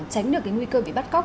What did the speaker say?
tránh được cái nguy cơ bị bắt cóc